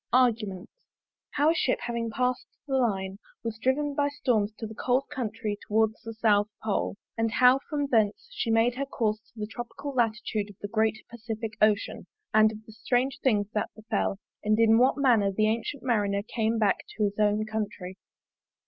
ARGUMENT. How a Ship having passed the Line was driven by Storms to the cold Country towards the South Pole; and how from thence she made her course to the tropical Latitude of the Great Pacific Ocean; and of the strange things that befell; and in what manner the Ancyent Marinere came back to his own Country.